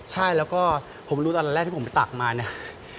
ใช่แล้วก็ผมรู้ตอนแรกที่ผมไปตักมาเนี่ย